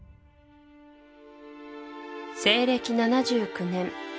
西暦７９年